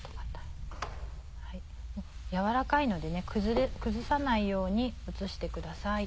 軟らかいので崩さないように移してください。